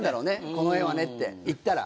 「この絵はね」って行ったら。